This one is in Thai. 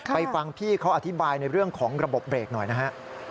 ฟังพี่เขาอธิบายในเรื่องของระบบเบรกหน่อยนะฮะ